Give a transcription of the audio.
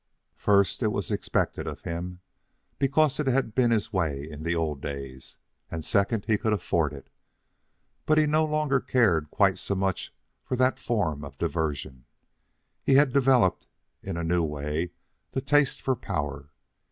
First, it was expected of him because it had been his way in the old days. And second, he could afford it. But he no longer cared quite so much for that form of diversion. He had developed, in a new way, the taste for power.